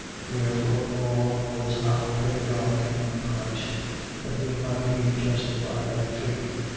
3:24. Wherefore the law was our pedagogue in Christ: that we might be justified by faith.